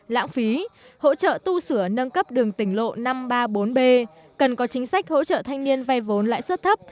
lãng phí hỗ trợ tu sửa nâng cấp đường tỉnh lộ năm trăm ba mươi bốn b cần có chính sách hỗ trợ thanh niên vay vốn lãi suất thấp